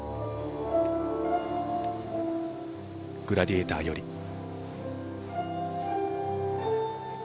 「グラディエーター」より。